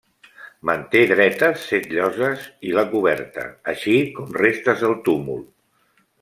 Manté dretes set lloses i la coberta, així com restes del túmul.